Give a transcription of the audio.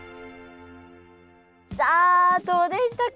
さあどうでしたか？